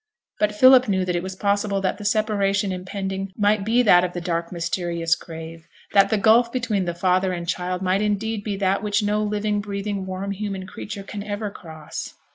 But Philip knew that it was possible that the separation impending might be that of the dark, mysterious grave that the gulf between the father and child might indeed be that which no living, breathing, warm human creature can ever cross.